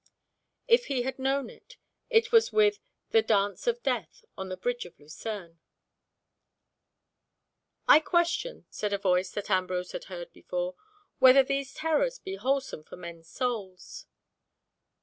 If he had known it, it was with the Dance of Death on the bridge of Lucerne. "I question," said a voice that Ambrose had heard before, "whether these terrors be wholesome for men's souls."